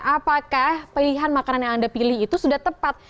apakah pilihan makanan yang anda pilih itu sudah tepat